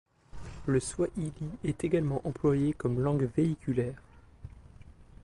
Le swahili est également employé comme langue véhiculaire.